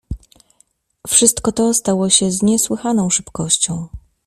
"Wszystko to stało się z niesłychaną szybkością."